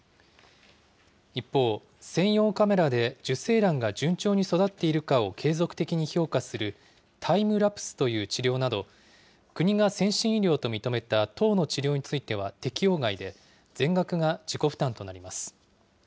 一方、専用カメラで受精卵が順調に育っているかを継続的に評価するタイムラプスという治療など、国が先進医療と認めた１０の治療については適用外で、全額が自己負担となります。